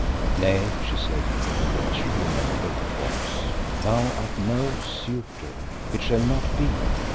"Nay," she said, in her rich, remembered voice, "thou art no suitor; it shall not be.